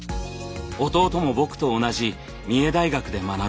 弟も僕と同じ三重大学で学び